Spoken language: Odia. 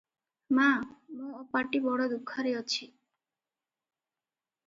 ମା! ମୋ ଅପାଟି ବଡ଼ ଦୁଃଖରେ ଅଛି ।